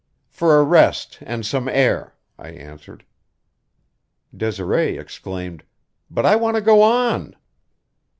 "For a rest and some air," I answered. Desiree exclaimed: "But I want to go on!"